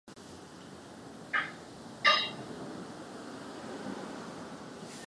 En la ciudad se fabrican hamacas y otras artesanías.